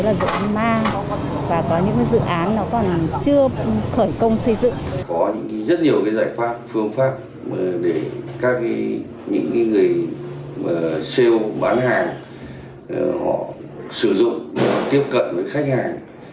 có rất nhiều giải pháp phương pháp để các người sale bán hàng họ sử dụng và tiếp cận với khách hàng